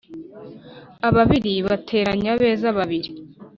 Ababiri bateranya abeza. Babiri